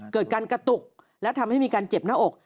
เกิดการกระตุกและทำให้มีการเจ็บหน้าอก